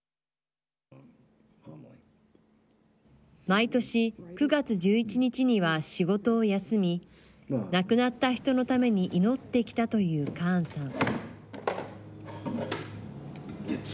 毎年９月１１日には仕事を休み亡くなった人のために祈ってきたというカーンさん。